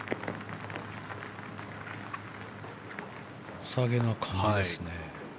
よさげな感じですね。